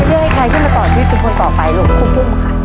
เลือกให้ใครขึ้นมาต่อชีวิตเป็นคนต่อไปลูกคุณปุ้มค่ะ